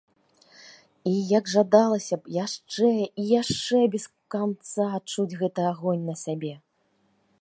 І як жадалася б яшчэ і яшчэ без канца адчуць гэты агонь на сабе.